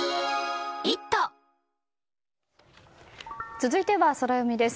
続いては、ソラよみです。